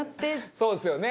そうですよね。